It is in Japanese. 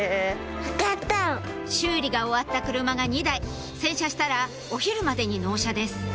修理が終わった車が２台洗車したらお昼までに納車です